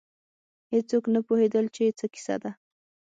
هېڅوک نه پوهېدل چې څه کیسه ده.